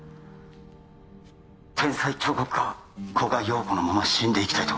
天才彫刻家・古賀洋子のまま死んでいきたいと？